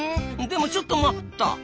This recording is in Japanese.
でもちょっと待った！